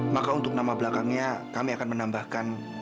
maka untuk nama belakangnya kami akan menambahkan